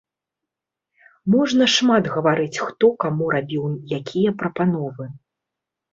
Можна шмат гаварыць хто каму рабіў якія прапановы.